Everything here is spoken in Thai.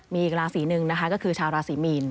มีอีกราศีหนึ่งนะคะก็คือชาวราศีมีน